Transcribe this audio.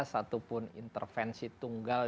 satu pun intervensi tunggal